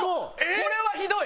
これはひどい！